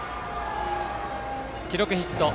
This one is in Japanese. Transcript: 記録、ヒット。